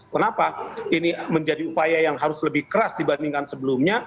kenapa ini menjadi upaya yang harus lebih keras dibandingkan sebelumnya